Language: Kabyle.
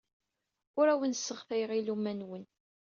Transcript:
Ur awen-sseɣtayeɣ iluɣma-nwen.